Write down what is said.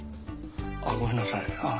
あっごめんなさい。